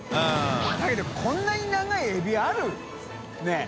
だけどこんなに長いエビある？ねぇ。